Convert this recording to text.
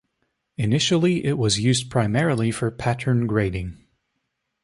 Initially it was used primarily for pattern grading.